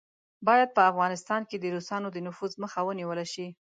باید په افغانستان کې د روسانو د نفوذ مخه ونیوله شي.